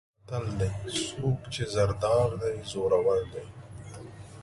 متل دی: څوک چې زر دار دی زورور دی.